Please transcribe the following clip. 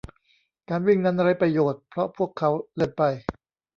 การวิ่งนั้นไร้ประโยชน์เพราะพวกเขาเล็กเกินไป